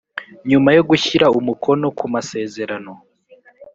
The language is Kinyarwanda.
nyuma yo gushyira umukono ku masezerano